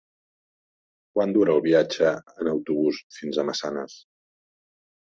Quant dura el viatge en autobús fins a Massanes?